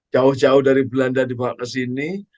jauh jauh dari belanda dibawa kesini